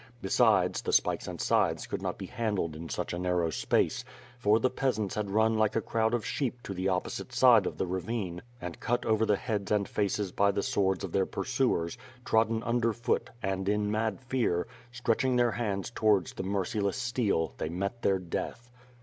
Besides the spikes and scythes could not be handled in such a narrow space, for the peasants had run like a crowd of sheep to the opposite side of the ravine, and cut over the heads and faces by the swords of their pursuers, trodden underfoot and, in mad fear, stretching their hands towards the merciless steel they met their death.